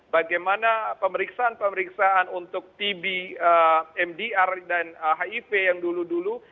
bagaimana pemeriksaan pemeriksaan untuk tb mdr dan hiv yang dulu dulu